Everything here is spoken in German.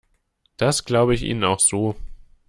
Das glaube ich Ihnen auch so.